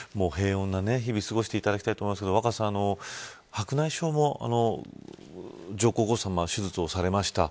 平穏な日々を過ごしていただきたいと思いますが若狭さん、白内障も上皇后さまは手術をされました。